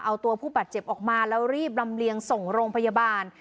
เอาตัวผู้บาดเจ็บออกมาแล้วรีบลำเลียงส่งโรงพยาบาล